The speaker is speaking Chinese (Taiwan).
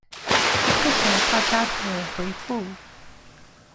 謝謝大家的回覆